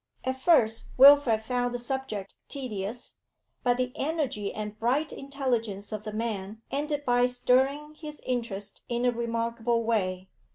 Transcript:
At first Wilfrid found the subject tedious, but the energy and bright intelligence of the man ended by stirring his interest in a remarkable way.